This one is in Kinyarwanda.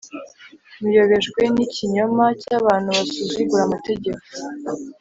muyobejwe n’ikinyoma cy’abantu basuzugura amategeko